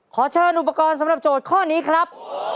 ขอเชิญอุปกรณ์สำหรับโจทย์ข้อนี้ครับ